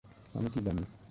আমি কি জানি।